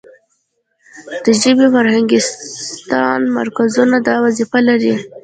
د ژبې فرهنګستان مرکزونه دا وظیفه لري.